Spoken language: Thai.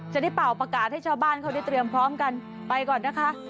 เป่าประกาศให้ชาวบ้านเขาได้เตรียมพร้อมกันไปก่อนนะคะ